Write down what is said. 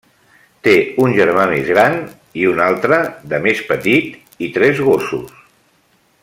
Té un germà més gran i un altre de més petit, i tres gossos.